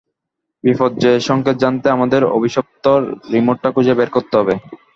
বিপর্যয়ের সংকেত জানতে আমাদের অভিশপ্ত রিমোটটা খুঁজে বের করতে হবে।